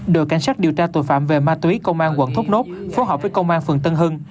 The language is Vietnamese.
đội cảnh sát điều tra tội phạm về ma túy công an quận thốt nốt phối hợp với công an phường tân hưng